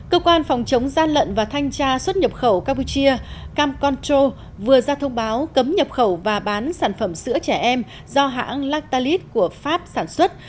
cơ quan phòng chống gian lận và thanh tra suất nhập khẩu campuchia camp control vừa ra thông báo cấm nhập khẩu và bán sản phẩm sữa trẻ em do hãng lactalis của pháp sản xuất